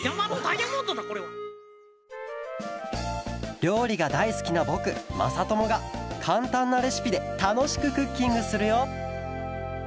りょうりがだいすきなぼくまさともがかんたんなレシピでたのしくクッキングするよ